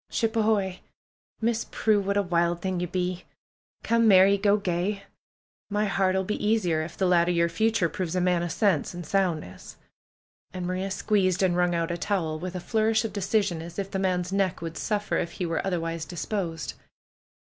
"Ship ahoy I Miss Prue; what a wild thing you be! Come merry, go gay! My heart 'ull be easier if the lad o' yer future proves a man o' sense and soundness." And Maria squeezed and Avrung out a towel with a flourish of decision, as if the man's neck would suffer if he were otherwise disposed.